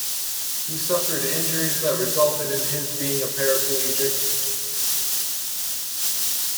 He suffered injuries that resulted in his being a paraplegic.